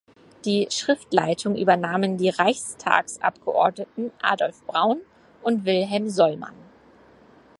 Die Schriftleitung übernahmen die Reichstagsabgeordneten Adolf Braun und Wilhelm Sollmann.